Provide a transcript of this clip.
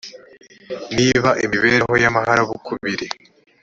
niba m te imibereho y amaharakubiri